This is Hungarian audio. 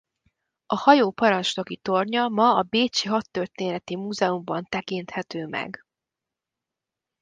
A hajó parancsnoki tornya ma a bécsi Hadtörténeti Múzeumban tekinthető meg.